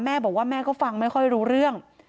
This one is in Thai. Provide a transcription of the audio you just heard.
แม่บอกว่าแม่ก็ฟังไม่ค่อยรู้เรื่อง